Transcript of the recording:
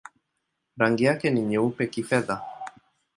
Rangi yake ni nyeupe-kifedha.